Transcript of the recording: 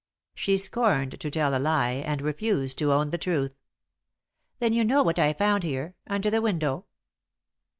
She scorned to tell a lie, and refused to own the truth. "Then you know what I found here under the window?"